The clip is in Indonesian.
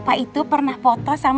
gak lupa project hahil